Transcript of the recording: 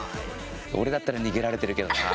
俺だったら逃げられてるけどな。